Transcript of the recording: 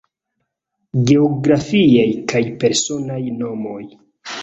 Geografiaj kaj personaj nomoj.